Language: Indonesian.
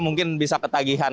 mungkin bisa ketagihan